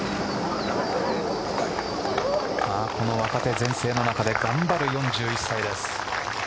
この若手全盛の中で頑張る４１歳です。